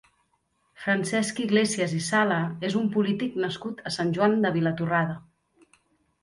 Francesc Iglesias i Sala és un polític nascut a Sant Joan de Vilatorrada.